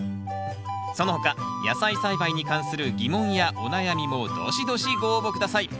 その他野菜栽培に関する疑問やお悩みもどしどしご応募下さい。